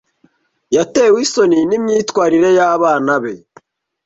Yatewe isoni nimyitwarire y'abana be.